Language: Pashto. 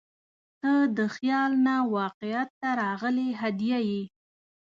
• ته د خیال نه واقعیت ته راغلې هدیه یې.